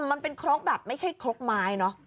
มันเป็นครกแบบไม่ใช่ครกไม้เนอะ